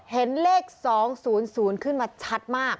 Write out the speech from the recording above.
เห็นเลข๒๐๐ขึ้นมาชัดมาก